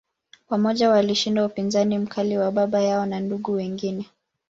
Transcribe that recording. Pamoja, walishinda upinzani mkali wa baba yao na ndugu wengine.